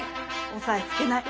押さえつけない。